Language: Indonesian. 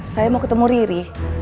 saya mau ketemu riri